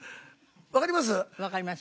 わかります？